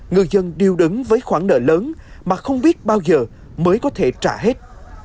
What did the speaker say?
ngư dân đều đứng với khoản nợ lớn mà không biết bao giờ mới có thể trả hết